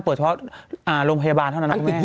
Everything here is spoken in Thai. เฉพาะโรงพยาบาลเท่านั้นนะคุณแม่